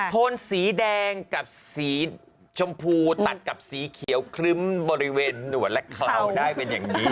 โทนสีแดงกับสีชมพูตัดกับสีเขียวครึ้มบริเวณหนวดและเคลาได้เป็นอย่างนี้